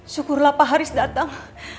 syukurlah pak haris datang